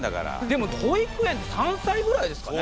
でも保育園って３歳ぐらいですかね。